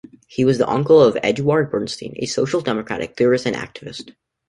He was the uncle of Eduard Bernstein, a Social Democratic theorist and activist.